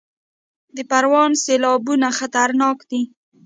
د پروان سیلابونه خطرناک دي